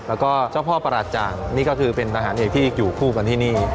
แล้วก็เจ้าพ่อปราจางนี่ก็คือเป็นทหารเอกที่อยู่คู่กันที่นี่